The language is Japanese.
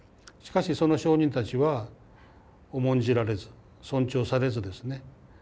しかしその証人たちは重んじられず尊重されずですね